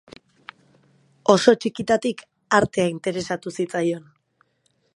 Oso txikitatik artea interesatu zitzaion.